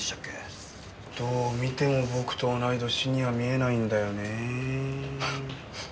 どう見ても僕と同い年には見えないんだよね。